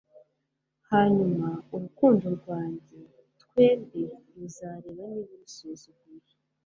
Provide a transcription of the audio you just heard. Hanyuma, urukundo rwanjye, twembi tuzareba Niba usuzuguye